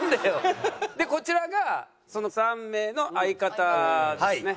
でこちらがその３名の相方ですね。